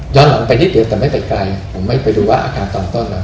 หลังไปนิดเดียวแต่ไม่ไกลผมไม่ไปดูว่าอาการตอนต้นอะไร